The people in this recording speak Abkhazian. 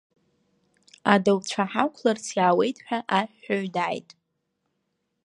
Адауцәа ҳақәларц иаауеит ҳәа аҳәҳәаҩ дааит.